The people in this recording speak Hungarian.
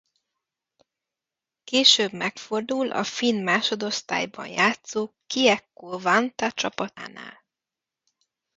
Később megfordul a finn másodosztályban játszó Kiekko-Vantaa csapatánál.